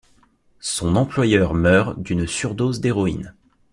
Son employeur meurt d'une surdose d'héroïne.